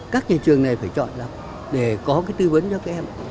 các nhà trường này phải chọn lập để có cái tư vấn cho các em